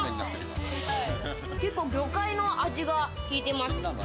結構魚介の味が効いてます。